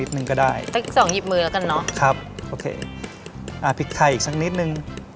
พิกไข่อีกสักนิดนึง